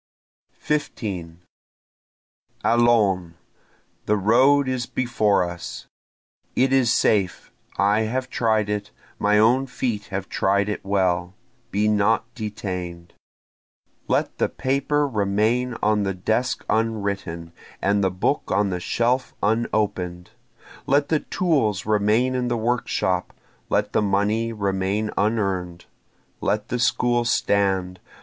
15 Allons! the road is before us! It is safe I have tried it my own feet have tried it well be not detain'd! Let the paper remain on the desk unwritten, and the book on the shelf unopen'd! Let the tools remain in the workshop! let the money remain unearn'd! Let the school stand!